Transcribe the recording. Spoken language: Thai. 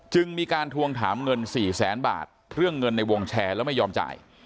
มีการทวงถามเงินสี่แสนบาทเรื่องเงินในวงแชร์แล้วไม่ยอมจ่าย